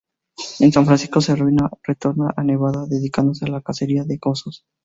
En San Francisco se arruina, retorna a Nevada, dedicándose a la cacería de osos.